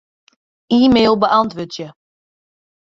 E-mail beäntwurdzje.